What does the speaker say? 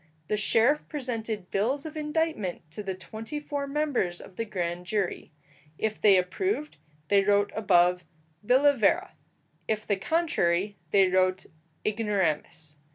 The sheriff presented bills of indictment to the twenty four members of the grand jury. If they approved, they wrote above, billa vera; if the contrary, they wrote ignoramus.